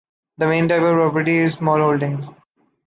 The main type of property is the smallholding.